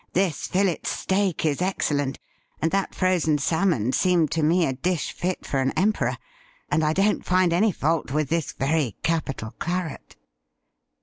'This fillet steak is excellent, and that frozen salmon seemed to me a dish fit for an emperor, and I don't find any fault with this very capital claret.'